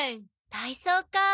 体操かあ。